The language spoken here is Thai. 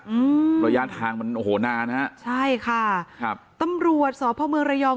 อืมระยะทางมันโอ้โหนานฮะใช่ค่ะครับตำรวจสพเมืองระยอง